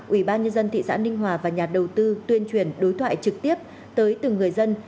ủy ban nhân dân thị xã ninh hòa và nhà đầu tư tuyên truyền đối thoại trực tiếp tới từng người dân